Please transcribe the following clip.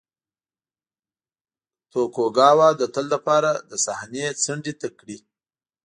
توکوګاوا د تل لپاره له صحنې څنډې ته کړي.